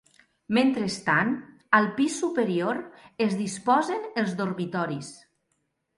Mentrestant, al pis superior es disposen els dormitoris.